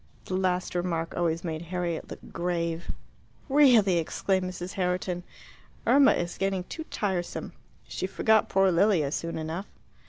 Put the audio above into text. The last remark always made Harriet look grave. "Really," exclaimed Mrs. Herriton, "Irma is getting too tiresome. She forgot poor Lilia soon enough."